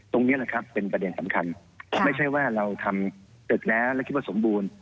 ตรงนี้แหละครับเป็นประเด็นสำคัญไม่ใช่ว่าเราทำตึกแล้วแล้วคิดว่าสมบูรณ์